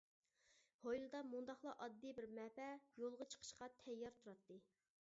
ھويلىدا مۇنداقلا ئاددىي بىر مەپە يولغا چىقىشقا تەييار تۇراتتى.